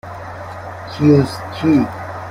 کیوسکی